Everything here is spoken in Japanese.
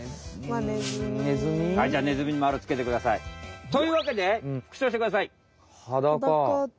ネズミ？じゃあネズミにまるつけてください。というわけでふくしょうしてください。